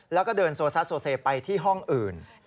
แล้วก็เดินโซซัสโซเซไปที่ห้องอื่น